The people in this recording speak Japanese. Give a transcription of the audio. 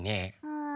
うん？